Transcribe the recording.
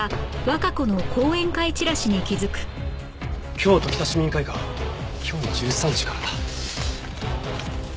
「京都北市民会館」今日の１３時からだ。